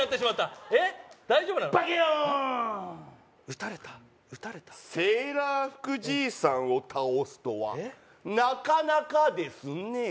撃たれた撃たれたセーラー服じいさんを倒すとはなかなかですねえ